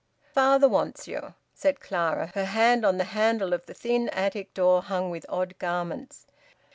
"Father wants you," said Clara, her hand on the handle of the thin attic door hung with odd garments.